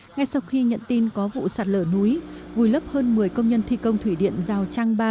ngay sau khi nhận tin có vụ sạt lở núi vùi lấp hơn một mươi công nhân thi công thủy điện rào trăng ba